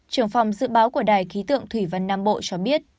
trưởng phòng dự báo của đài khí tượng thủy văn nam bộ cho biết